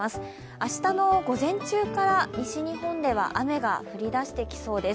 明日の午前中から西日本では雨が降り出してきそうです。